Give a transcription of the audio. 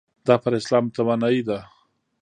دا پر اسلام توانایۍ ده.